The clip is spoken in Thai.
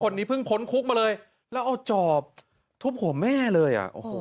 คนนี้เพิ่งขนคุกมาเลยแล้วเอาจอบทุบหัวแม่เลย